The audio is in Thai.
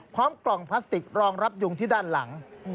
พร้อมกล่องพลาสติกรองรับยุงที่ด้านหลัง